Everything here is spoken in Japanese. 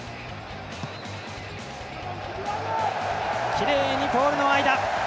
きれいにポールの間。